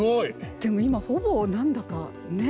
でも今ほぼ何だかねっ。